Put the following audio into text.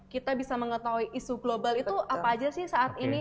kita bisa mengetahui isu global itu apa aja sih saat ini